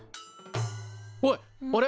おいあれ！